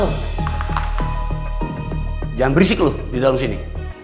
jangan berisik loh di dalam sini